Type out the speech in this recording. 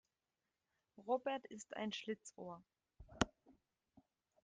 Robert ist ein Schlitzohr.